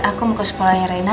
aku mau ke sekolahnya reina